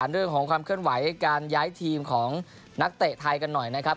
เรื่องของความเคลื่อนไหวการย้ายทีมของนักเตะไทยกันหน่อยนะครับ